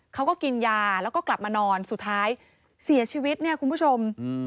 เขาก็กินยาแล้วก็กลับมานอนสุดท้ายเสียชีวิตเนี่ยคุณผู้ชม